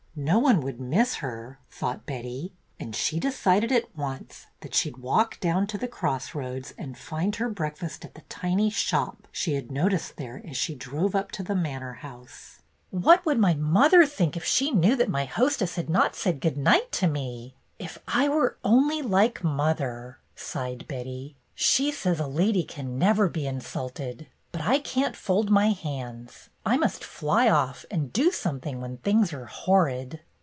No one would miss her, thought Betty, and she decided at once that she 'd walk down to the cross roads and find her breakfast at the tiny shop she had noticed there as they drove up to the manor house. "What would my mother think if she knew that my hostess had not said good night to me! If I were only like mother!" sighed 8 1 14 BETTY BAIRD^S GOLDEN YEAR Betty. "She says a lady can never be insulted. But I can't fold my hands. I must fly off and do something when things are horrid."